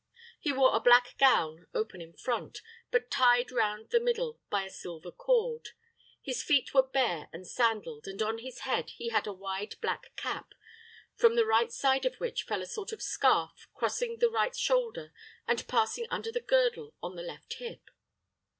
He wore a black gown, open in front, but tied round the middle by a silver cord. His feet were bare and sandaled, and on his head he had a wide black cap, from the right side of which fell a sort of scarf crossing the right shoulder, and passing under the girdle on the left hip.